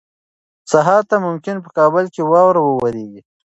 سهار ته ممکن په کابل کې واوره ووریږي.